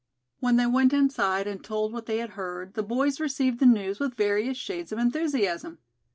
When they went inside, and told what they had heard, the boys received the news with various shades of enthusiasm.